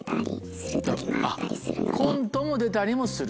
コントも出たりもする。